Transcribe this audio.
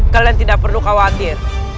kalian tidak perlu khawatir